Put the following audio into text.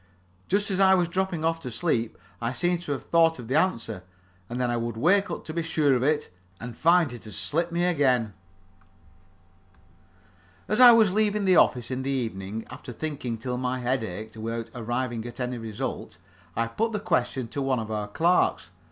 Just as I was dropping off to sleep, I seemed to have thought of the answer, and then I would wake up to be sure of it, and find it had slipped me again. As I was leaving the office, in the evening, after thinking till my head ached without arriving at any result, I put the question to one of our clerks.